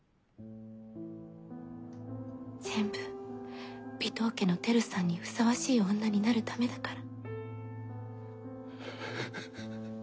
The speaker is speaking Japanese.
全部尾藤家の輝さんにふさわしい女になるためだから。